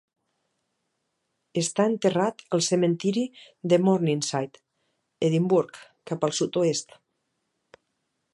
Està enterrat al cementiri de Morningside, Edimburg, cap al sud-oest.